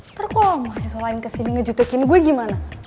ntar kalo lo masih selain kesini ngejutekin gue gimana